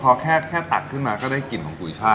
พอแค่ตักขึ้นมาก็ได้กลิ่นของกุยช่าย